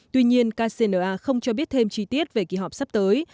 tuy nhiên kcna không cho biết thêm chi tiết về kỳ họp sắp tới